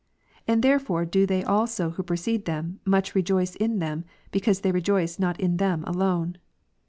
And therefore do they also who preceded them, much rejoice in them, because they rejoice not in them alone.